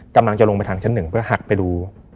กำลังจะลงไปทางชั้นหนึ่งเพื่อหักไปดู